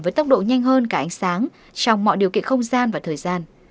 với tốc độ nhanh hơn cả ánh sáng trong mọi điều kiện không gian và thời gian